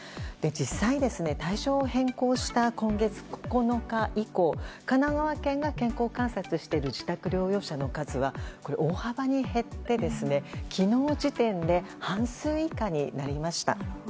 実際、対象を変更した今月９日以降神奈川県が健康観察している自宅療養者の数は大幅に減って、昨日時点で半数以下になりました。